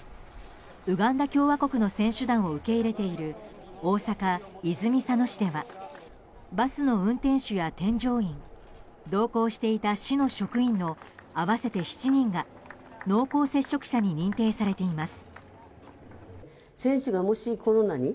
ウガンダ共和国の選手団を受け入れている大阪・泉佐野市ではバスの運転手や添乗員同行していた市の職員の合わせて７人が濃厚接触者に認定されています。